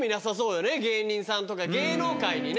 芸人さんとか芸能界にね。